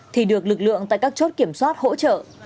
thì được lực lượng tại các chốt kiểm soát hỗ trợ